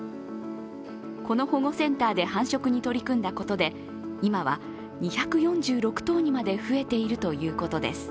この保護センターで繁殖に取り組んだことで今は２４６頭にまで増えているということです。